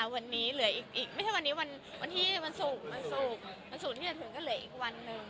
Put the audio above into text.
วันนี้เหลืออีกอีกไม่ใช่วันที่มันสูงมันสูงที่จะถึงก็เหลืออีกวันหนึ่ง